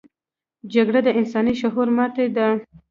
جګړه د انساني شعور ماتې ده